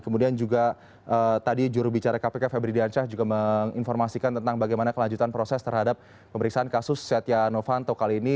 kemudian juga tadi jurubicara kpk febri diansyah juga menginformasikan tentang bagaimana kelanjutan proses terhadap pemeriksaan kasus setia novanto kali ini